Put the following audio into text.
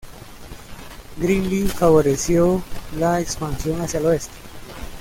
Greeley favoreció la expansión hacia el oeste.